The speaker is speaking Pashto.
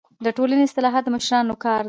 د ټولني اصلاحات د مشرانو کار دی.